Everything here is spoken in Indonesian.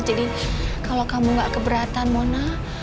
jadi kalau kamu gak keberatan mona